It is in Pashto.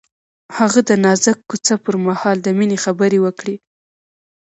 هغه د نازک کوڅه پر مهال د مینې خبرې وکړې.